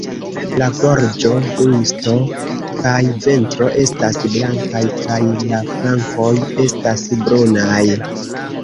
La gorĝo, brusto kaj ventro estas blankaj, kaj la flankoj estas brunaj.